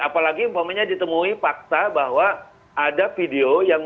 apalagi ditemui fakta bahwa ada video